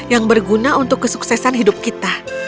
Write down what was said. yang berguna untuk kesuksesan hidup kita